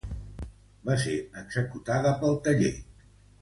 Va ser executada pel taller.